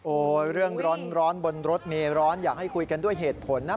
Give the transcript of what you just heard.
เรื่องร้อนบนรถเมร้อนอยากให้คุยกันด้วยเหตุผลนะ